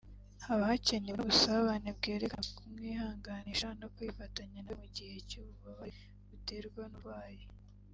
haba hakenewe n’ubusabane bwerekana kumwihanganisha no kwifatanya nawe mu gihe cy’ububabare buterwa n’uburwayi